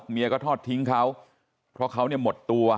เมียก็ทอดทิ้งเขาเพราะเขาเนี่ยหมดตัว